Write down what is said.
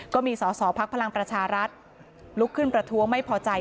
ก็มีสอสอภักดิ์พลังประชารัฐลุกขึ้นประท้วงไม่พอใจ